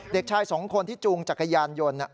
เด็กชายสองคนที่จูงจักรยานยนต์